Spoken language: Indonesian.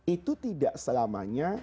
itu tidak selamanya